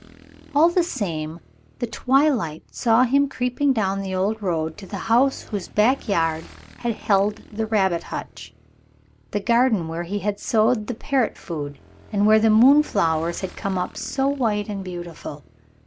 All the same the twilight saw him creeping down the old road to the house whose back yard had held the rabbit hutch, the garden where he had sowed the parrot food, and where the moonflowers had come up so white and beautiful.